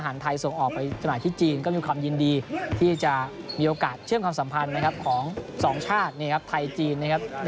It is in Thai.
หน่วยก้างเขาใช้ได้นะครับ